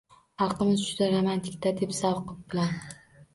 Xalqimiz juda romantik-da, – dedi zavq bilan.